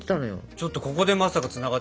ちょっとここでまさかつながってくるなんて。